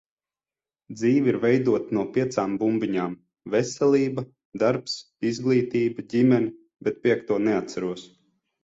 Dzīve ir veidota no piecām bumbiņām - veselība, darbs, izglītība, ģimene, bet piekto neatceros.